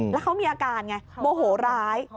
แล้วเขามีอาการไงโมโหร้าย